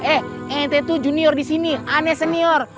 eh ente tuh junior disini aneh senior